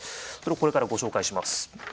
これからご紹介します。